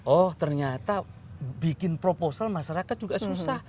oh ternyata bikin proposal masyarakat juga susah